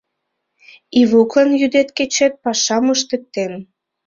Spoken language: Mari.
Ивуклан йӱдет-кечет пашам ыштыктен.